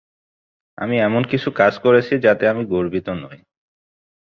আমি এমন কিছু কাজ করেছি যাতে আমি গর্বিত নই।